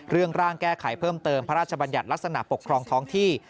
ร่างแก้ไขเพิ่มเติมพระราชบัญญัติลักษณะปกครองท้องที่